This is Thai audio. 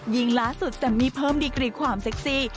ล่าสุดแซมมี่เพิ่มดีกรีความเซ็กซี่